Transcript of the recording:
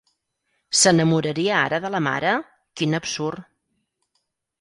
¿S'enamoraria ara de la mare? Quin absurd!